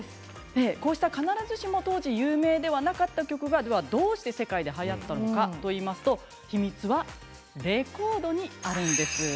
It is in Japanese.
こうして必ずしも有名じゃなかった曲がどうして世界ではやったのかというと秘密はレコードにあるんです。